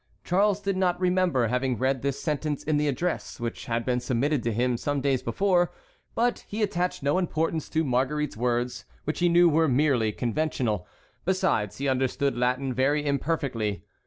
Charles did not remember having read this sentence in the address which had been submitted to him some days before; but he attached no importance to Marguerite's words, which he knew were merely conventional. Besides, he understood Latin very imperfectly.